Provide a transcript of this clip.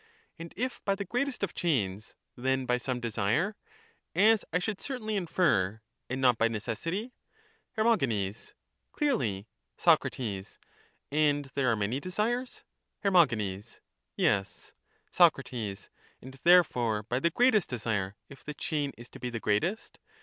And if by the greatest of chains, then by some desire, as I should certainly infer, and not by necessity? Her. Clearly. Soc. And there are many desires? Her. Yes. Soc. And therefore by the greatest desire, if the chain is to be the greatest?